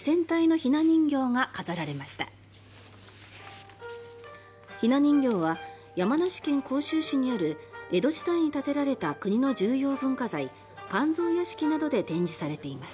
ひな人形は山梨県甲州市にある江戸時代に建てられた国の重要文化財、甘草屋敷などで展示されています。